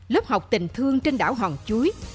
lớp học tình thương trên đảo hòn chuối